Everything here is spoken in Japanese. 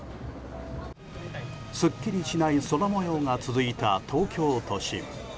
すっきりしない空模様が続いた東京都心。